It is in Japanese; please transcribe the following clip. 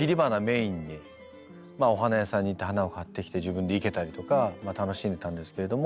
お花屋さんに行って花を買ってきて自分で生けたりとか楽しんでたんですけれども。